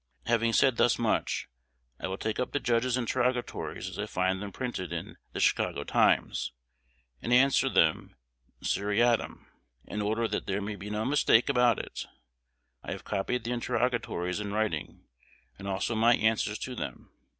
Having said thus much, I will take up the judge's interrogatories as I find them printed in "The Chicago Times," and answer them seriatim. In order that there may be no mistake about it, I have copied the interrogatories in writing, and also my answers to them.